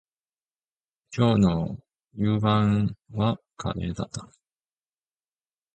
今日の夕飯はカレーだった